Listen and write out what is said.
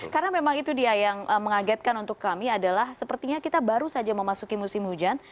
karena memang itu dia yang mengagetkan untuk kami adalah sepertinya kita baru saja memasuki musim hujan